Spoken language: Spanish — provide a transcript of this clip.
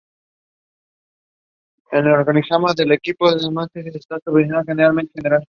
Antera reniformes insertas en el centro.